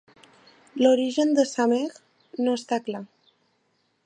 L'origen de Samekh no està clar.